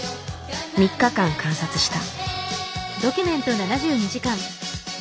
３日間観察した。